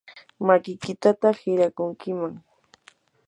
makiykitataq hirakunkiman.